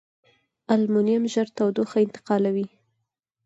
المونیم ژر تودوخه انتقالوي.